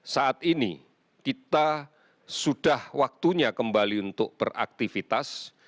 saat ini kita sudah waktunya kembali untuk beraktivitas